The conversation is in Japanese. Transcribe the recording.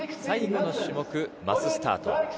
最後の種目、マススタート。